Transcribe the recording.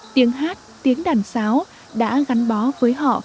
tiếng hát tiếng đàn xáo đã gắn bó với họ